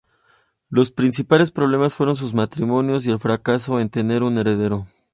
Los principales problemas fuero sus matrimonios y el fracaso en tener un heredero.